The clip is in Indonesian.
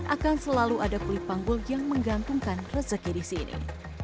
akan selalu ada kulit panggul yang menggantungkan rezeki di sini